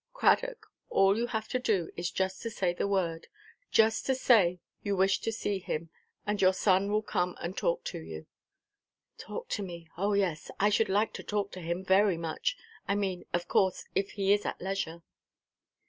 "Cradock, all you have to do is just to say the word; just to say that you wish to see him, and your son will come and talk to you." "Talk to me! Oh yes, I should like to talk to him—very much—I mean, of course, if he is at leisure."